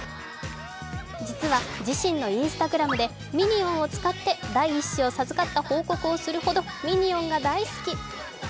実は自身のＩｎｓｔａｇｒａｍでミニオンを使って第１子を授かった報告をするほどミニオンが大好き。